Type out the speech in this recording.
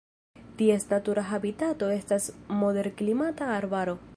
Ties natura habitato estas moderklimata arbaro.